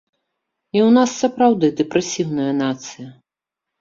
І ў нас сапраўды дэпрэсіўная нацыя.